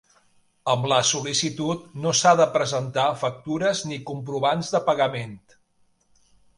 Amb la sol·licitud no s'ha de presentar factures ni comprovants de pagament.